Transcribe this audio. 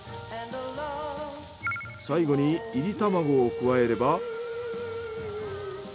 最後に炒り玉子を加えれば。